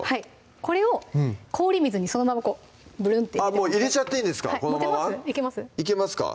これを氷水にそのままこうぶるんってもう入れちゃっていいんですかこのままいけますか？